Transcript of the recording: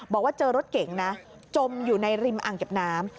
บอกว่าเจอรถเก่งนะจมอยู่ในริมอ่างเก็บน้ำ